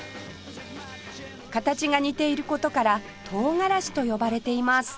形が似ている事からトウガラシと呼ばれています